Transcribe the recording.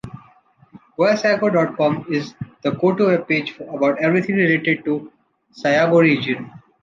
GuiaSayago.com is the go-to webpage about everything related to the Sayago region.